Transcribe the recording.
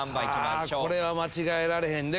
これは間違えられへんで。